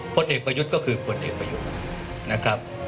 ผลเอกประยุทธ์ก็คือคนเอกประยุทธ์นะครับ